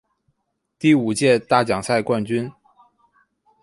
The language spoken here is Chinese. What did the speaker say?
第五届大奖赛冠军。